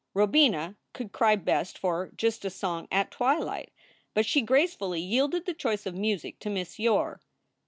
Robina could cry best for "Just a Song at Twilight," but she gracefully yielded the choice of music to Miss Yore.